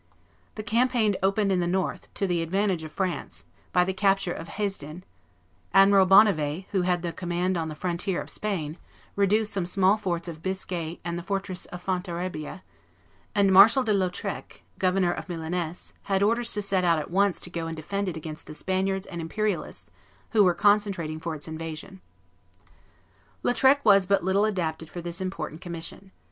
The campaign opened in the north, to the advantage of France, by the capture of Hesdin; Admiral Bonnivet, who had the command on the frontier of Spain, reduced some small forts of Biscay and the fortress of Fontarabia; and Marshal de Lautrec, governor of Milaness, had orders to set out at once to go and defend it against the Spaniards and Imperialists, who were concentrating for its invasion. Lautrec was but little adapted for this important commission.